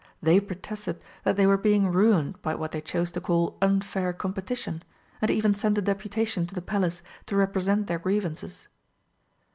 They protested that they were being ruined by what they chose to call unfair competition, and even sent a deputation to the Palace to represent their grievances.